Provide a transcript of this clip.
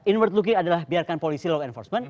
inward looking adalah biarkan polisi law enforcement